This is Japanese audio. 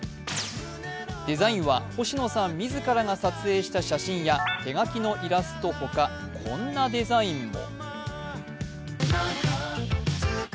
デザインは星野さん自らが撮影した写真や手書きのイラストほか、こんなデザインも。